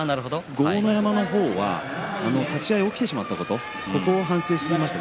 豪ノ山の方は立ち合い起きてしまったことそこを反省していました。